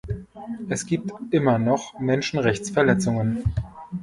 Es gibt immer noch Menschenrechtsverletzungen.